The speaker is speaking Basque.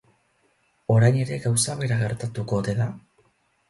Orain ere gauza bera gertatuko ote da?